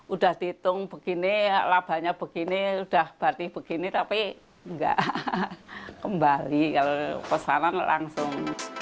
udah dihitung begini labanya begini udah batik begini tapi enggak kembali kalau pesanan langsung